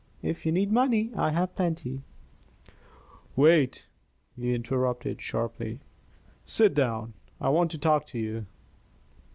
If you need money, I have plenty " "Wait!" he interrupted, sharply. "Sit down, I want to talk to you."